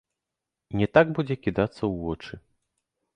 Не так будзе кідацца ў вочы.